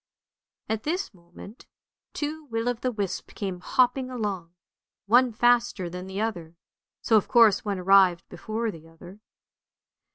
" At this moment two will o' the wisps came hopping along, one faster than the other, so of course one arrived before the other.